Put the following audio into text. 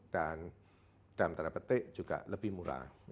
dan dalam tanda petik juga lebih murah